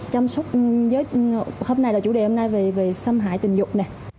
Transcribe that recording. chăm sóc với hôm nay là chủ đề hôm nay về xâm hại tình dục